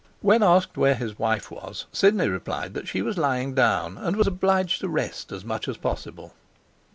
When asked where his wife was, Sidney replied that she was lying down, and was obliged to rest as much as possible.